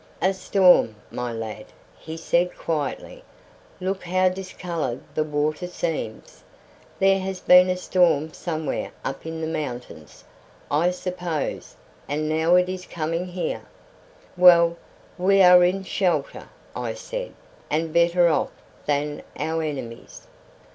"A storm, my lad," he said quietly. "Look how discoloured the water seems. There has been a storm somewhere up in the mountains, I suppose, and now it is coming here." "Well, we are in shelter," I said, "and better off than our enemies."